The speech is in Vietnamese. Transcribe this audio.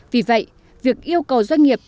vì vậy việc yêu cầu doanh nghiệp